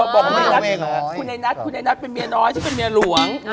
เพราะก็เป็นเมยน้อยคุณอายนัดเป็นเมียน้อยชีวิตเป็นเมียหลวง